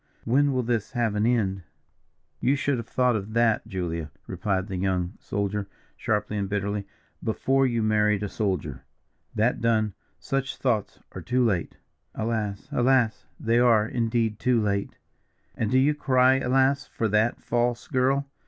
when will this have an end?" "You should have thought of that Julia," replied the young soldier, sharply and bitterly, "before you married a soldier. That done, such thoughts are too late." "Alas, alas! they are, indeed, too late." "And do you cry alas! for that, false girl?"